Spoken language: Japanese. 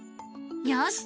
よし！